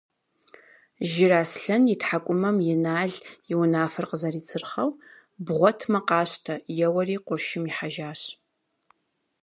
Жыраслъэн и тхьэкӀумэм Инал и унафэр къызэрицырхъэу – бгъуэтмэ къащтэ – еуэри къуршым ихьэжащ.